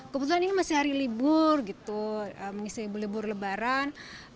kebetulan ini masih hari libur gitu mengisi libur lebaran